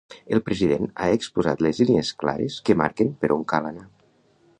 El president ha exposat les línies clares que marquen per on cal anar.